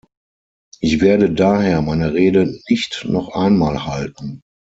Ich werde daher meine Rede nicht noch einmal halten.